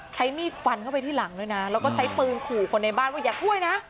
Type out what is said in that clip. ใช้มีดฟันเข้าไปที่หลังด้วยนะแล้วก็ใช้ปืนขู่คนในบ้านว่าอย่าช่วยนะ